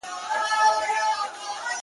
نه ،نه محبوبي زما.